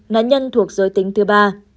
nạn nhân thuộc giới tính thứ ba